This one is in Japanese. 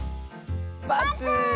バツ！